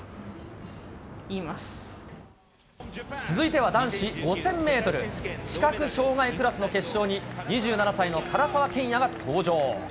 続いては男子５０００メートル、視覚障害クラスの決勝に、２７歳の唐澤剣也が登場。